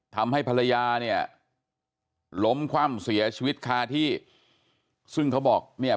ทำให้ภรรยาเนี่ยล้มคว่ำเสียชีวิตคาที่ซึ่งเขาบอกเนี่ย